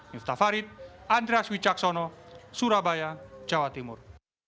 yuta farid andreas wicaksono surabaya jawa timur